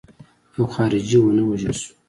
یو خارجي ونه وژل شو.